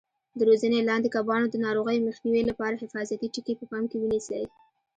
د روزنې لاندې کبانو د ناروغیو مخنیوي لپاره حفاظتي ټکي په پام کې ونیسئ.